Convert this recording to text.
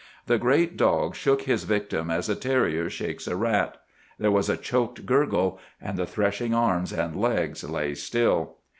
The great dog shook his victim as a terrier shakes a rat. There was a choked gurgle, and the threshing arms and legs lay still.